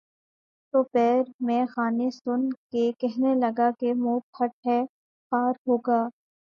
تو پیر مے خانہ سن کے کہنے لگا کہ منہ پھٹ ہے خار ہوگا